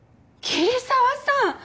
桐沢さん！